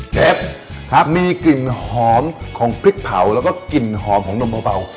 เชฟครับมีกลิ่นหอมของพริกเผาแล้วก็กลิ่นหอมของนมเบา